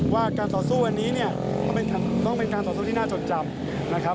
ว่าการต่อสู้วันนี้เนี่ยต้องเป็นการต่อสู้ที่น่าจดจำนะครับ